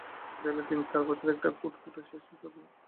দেয়ালে তিন-চার বছরের একটা ফুটফুটে শিশুর ছবি।